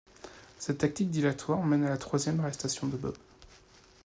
Cette tactique dilatoire mène à la troisième arrestation de Bob.